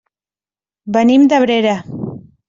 Venim d'Abrera.